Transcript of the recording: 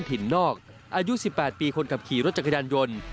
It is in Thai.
ถิ่นนอกอายุ๑๘ปีคนขับขี่รถจักรยานยนต์